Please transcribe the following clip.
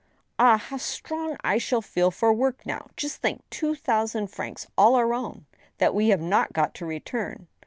Ah ! how strong I shall feel for work now ! Just think, two thousand francs all our own, that we have not got to return